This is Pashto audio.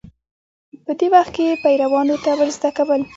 په دې وخت کې پیروانو ته ورزده کول